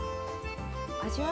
味は？